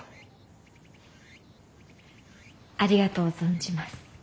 ありがとう存じます。